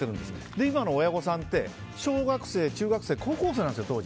今の親御さんって小学生、中学生高校生なんですよ、当時。